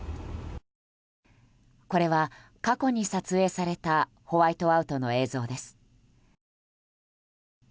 これは、過去に撮影されたホワイトアウトの映像です。